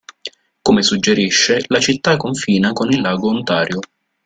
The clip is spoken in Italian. Come suggerisce, la città confina con il lago Ontario.